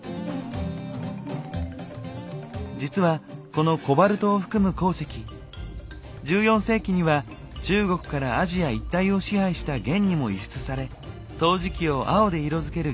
実はこのコバルトを含む鉱石１４世紀には中国からアジア一帯を支配した元にも輸出され陶磁器を青で色づける